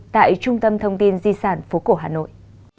tại trung tâm thông tin di sản phố cổ hà nội